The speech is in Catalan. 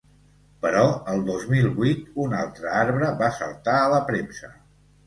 Però el dos mil vuit un altre arbre va saltar a la premsa.